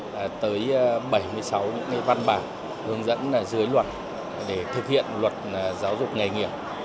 với bảy mươi sáu những văn bản hướng dẫn dưới luật để thực hiện luật giáo dục nghề nghiệp